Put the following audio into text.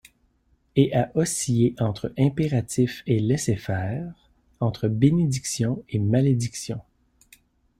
Et à osciller entre impératif et laisser-faire, entre bénédiction et malédiction.